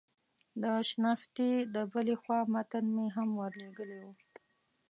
د شنختې د بلې خوا متن مې هم ور لېږلی و.